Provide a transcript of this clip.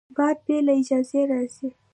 باد بې له اجازې راځي